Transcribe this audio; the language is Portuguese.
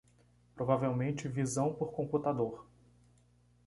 Provavelmente visão por computador